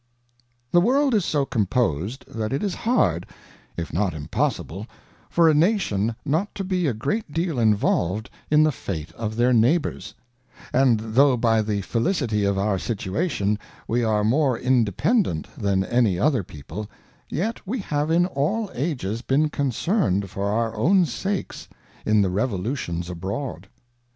THE World is so compos' d, that it is hard, if not impossible, for a Nation not to be a great deal involved in the fate of their Neighbours, and tho by the felicity of our Situation, we are more Independant than any other People, yet we have in all Ages been concern'd for our own sakes in the Revolutions abroad.